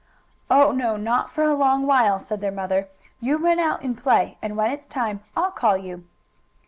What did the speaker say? "Oh, no, not for a long while," said their mother. "You run out and play, and when it's time, I'll call you."